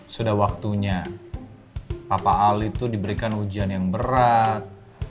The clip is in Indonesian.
sudah waktunya papa al itu diberikan ujian yang berat